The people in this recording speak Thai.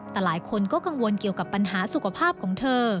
แต่หลายคนก็กังวลเกี่ยวกับปัญหาสุขภาพของเธอ